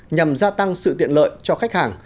nhằm gia tăng sự tiện lợi cho khách hàng